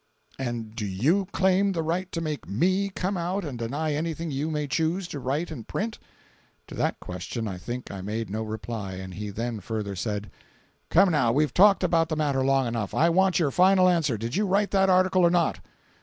"And do YOU claim the right to make ME come out and deny anything you may choose to write and print?" To that question I think I made no reply, and he then further said: "Come, now, we've talked about the matter long enough. I want your final answer—did you write that article or not?"